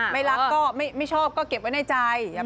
ไม่รักก็ไม่ชอบก็เก็บไว้ในใจ